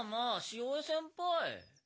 潮江先輩。